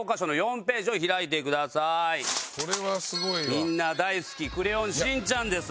みんな大好き『クレヨンしんちゃん』です。